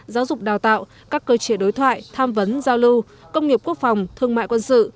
giáo dục đào tạo các cơ chế đối thoại tham vấn giao lưu công nghiệp quốc phòng thương mại quân sự